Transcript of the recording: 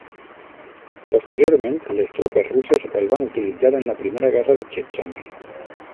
Posteriorment, les tropes russes el van utilitzar en la Primera guerra de Txetxènia.